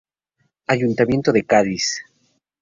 Ayuntamiento de CÁdiz.